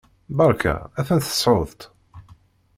Berka! Atan tessruḍ-tt!